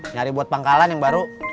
nyari buat pangkalan yang baru